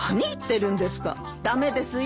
駄目ですよ。